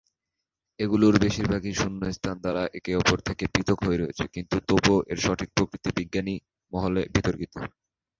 এগুলোর বেশিরভাগই শূন্যস্থান দ্বারা একে অপরের থেকে পৃথক হয়ে রয়েছে কিন্তু তবুও এর সঠিক প্রকৃতি বিজ্ঞানী মহলে বিতর্কিত।